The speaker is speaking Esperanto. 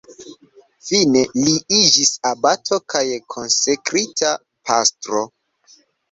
Fine li iĝis abato kaj konsekrita pastro.